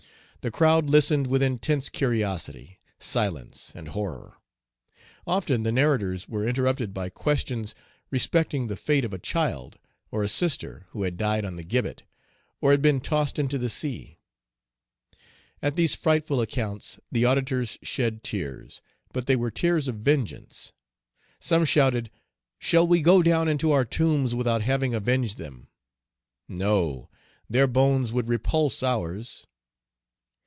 The crowd listened with intense curiosity, silence, and horror; often the narrators were interrupted by questions respecting the fate of a child, or a sister, who had died on the gibbet, or had been tossed into the sea. At these frightful accounts, the auditors shed tears, but they were tears of vengeance. Some shouted, "Shall we go down into our tombs without having avenged them? No! their bones would repulse ours."